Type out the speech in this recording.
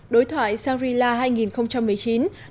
đối thoại shangri la hai nghìn một mươi chín